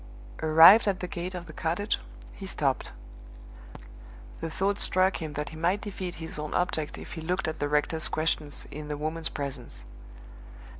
Arrived at the gate of the cottage, he stopped. The thought struck him that he might defeat his own object if he looked at the rector's questions in the woman's presence.